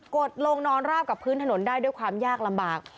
ดลงนอนราบกับพื้นถนนได้ด้วยความยากลำบาก